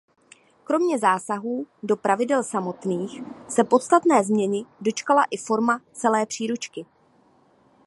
Kromě zásahů do pravidel samotných se podstatné změny dočkala i forma celé příručky.